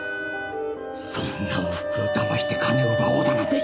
そんなおふくろを騙して金を奪おうだなんて。